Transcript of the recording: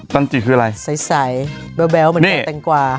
จันจิคืออะไรใสแบบแบบแบวเหมือนแตงกวา